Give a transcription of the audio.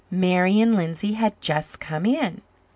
Marian Lindsay had just come in.